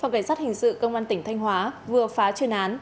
phòng cảnh sát hình sự công an tỉnh thanh hóa vừa phá chuyên án